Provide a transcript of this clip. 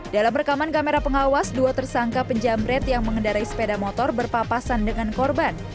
dalam rekaman kamera pengawas dua tersangka penjamret yang mengendarai sepeda motor berpapasan dengan korban